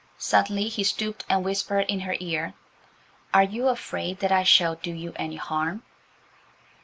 Suddenly he stooped and whispered in her ear. "Are you afraid that I shall do you any harm?"